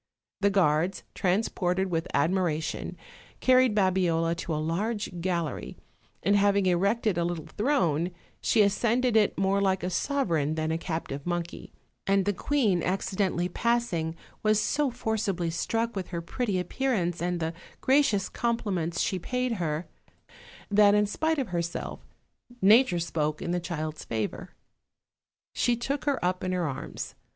The guards, transported with admira tion, carried Babiola to a large gallery, and having erected a little throne, she ascended it more like a sovereign than a captive monkey; and the queen acci dentally paasing, was so forcibly struck with her pretty appearance and the gracious compliments she paid her, that in spite of herself nature si>ok,e in the child's favor. OLD, OLD FAIRY TALES. 203 She took her up in her arms.